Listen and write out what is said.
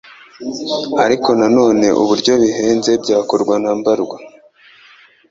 ariko nanone uburyo bihenze byakorwa na mbarwa.